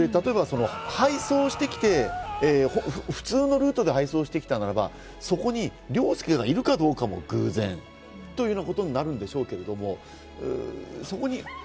配送してきて、普通のルートで配送してきたならば、そこに凌介がいるかどうかも偶然ということになるんでしょうけど、そこに、